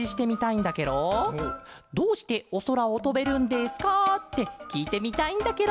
「どうしておそらをとべるんですか？」ってきいてみたいんだケロ。